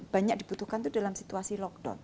banyak dibutuhkan itu dalam situasi lockdown